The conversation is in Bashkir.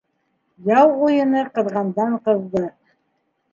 Яу уйыны ҡыҙғандан-ҡыҙҙы.